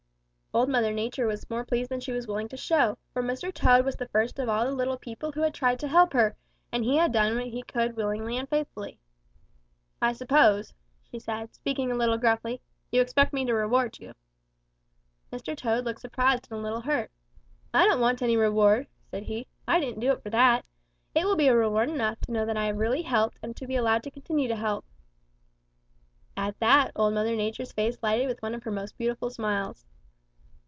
"Old Mother Nature was more pleased than she was willing to show, for Mr. Toad was the first of all the little people who had tried to help her, and he had done what he could willingly and faithfully. "'I suppose,' said she, speaking a little gruffly, 'you expect me to reward you.' "Mr. Toad looked surprised and a little hurt. 'I don't want any reward,' said he. 'I didn't do it for that. It will be reward enough to know that I really have helped and to be allowed to continue to help.' "At that Old Mother Nature's face lighted with one of her most beautiful smiles.